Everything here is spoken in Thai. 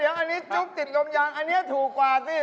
เดี๋ยวอันนี้จุ๊บติดลมยางอันนี้ถูกกว่าสิ